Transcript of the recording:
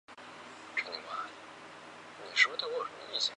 美洲鳗鲡鱼类。